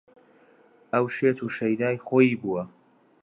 ئەو شێت و شەیدای خۆی بووە